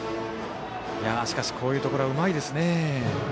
しかし、こういうところうまいですね。